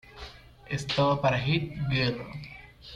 Es todo para Hit-Girl.